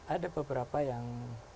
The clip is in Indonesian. ada beberapa yang